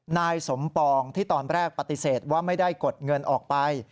นายสมปองที่ตอนแรกปฏิเสธว่าไม่ได้กดเงินออกไป